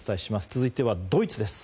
続いてはドイツです。